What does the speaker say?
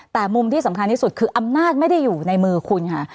แต่มุมที่สำคัญที่สุดคืออำนาจไม่ได้อยู่ในมือคุณค่ะ